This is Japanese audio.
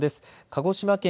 鹿児島県